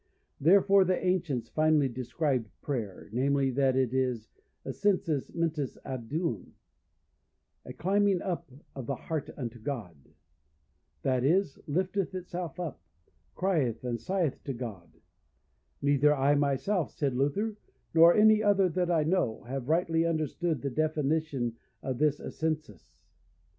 Therefore the ancients finely described prayer, namely, that it is, Ascensus mentis ad Deum, a climbing up of the heart unto God, that is, lifteth itself up, crieth and sigheth to God: neither I myself, said Luther, nor any other that I know, have rightly understood the definition of this Ascensus.